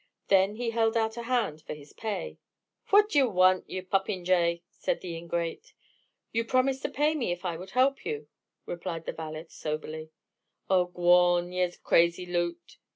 Then he held out a hand for his pay. "Phwat do yez want, ye poppinjay?" said the ingrate. "You promised to pay me if I would help you," replied the valet, soberly. "Ah, gwan, yez crazy loot!"